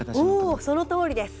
おそのとおりです。